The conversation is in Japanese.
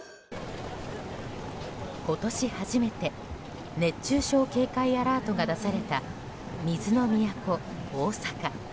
今年初めて熱中症警戒アラートが出された水の都・大阪。